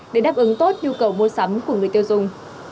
để đáp ứng tốt nhu cầu mua sắm của người tiêu dùng